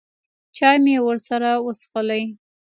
چای مې ورسره وڅښلې.